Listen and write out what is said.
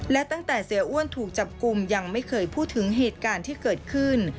และตั้งแต่เสียอ้วนถูกจับกลุ่มยังไม่เคยพูดถึงเหตุการณ์ที่เกิดขึ้น